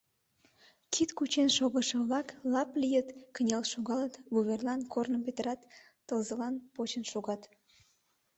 Кид кучен шогышо-влак лап лийыт, кынел шогалыт, вуверлан корным петырат, тылзылан почын шогат.